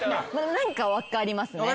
何か分かりますね。